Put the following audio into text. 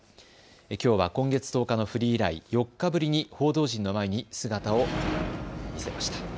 きょうは今月１０日のフリー以来、４日ぶりに報道陣の前に姿を見せました。